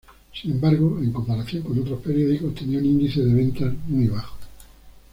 Sin embargo, en comparación con otros periódicos, tenía un índice de ventas muy bajo.